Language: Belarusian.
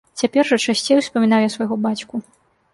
Цяпер жа часцей успамінаў я свайго бацьку.